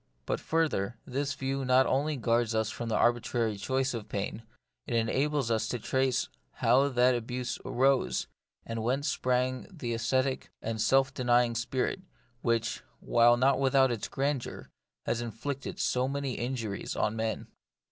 But further, this view not only guards us from the arbitrary choice of pain, it enables us to trace how that abuse arose, and whence sprang that ascetic and self denying spirit, which, while not without its grandeur, has inflicted so many injuries on men.